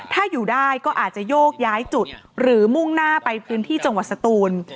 ถ้าอยู่ได้ก็อาจจะโยกย้ายจุดหรือมุ่งหน้าไปพื้นที่จังหวัดสตูน